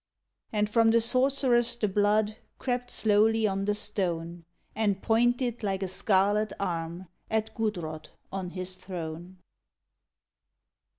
And from the sorceress the blood Crept slowly on the stone, And pointed like a scarlet arm At Gudrod on his throne.